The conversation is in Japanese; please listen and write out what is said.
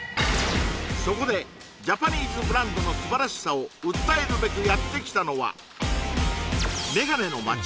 そこでジャパニーズブランドの素晴らしさを訴えるべくやってきたのはメガネの街